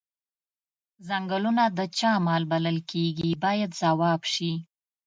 څنګلونه د چا مال بلل کیږي باید ځواب شي.